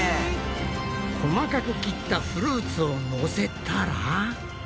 細かく切ったフルーツをのせたら。